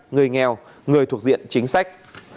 người nghèo người thuộc diện chính sách